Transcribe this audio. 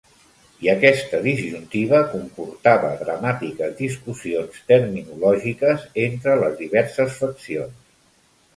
I aquesta disjuntiva comportava dramàtiques discussions terminològiques entre les diverses faccions.